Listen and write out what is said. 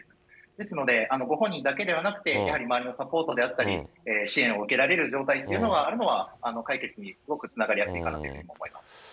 ですので、ご本人だけではなくて、やはり周りのサポートであったり、支援を受けられる状態にあるのは、解決にすごくつながりやすいかなと思います。